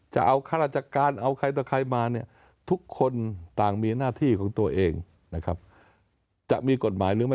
จะเอาฆ่าธรรมจักรการเอาใครต่อใครมาเนี่ย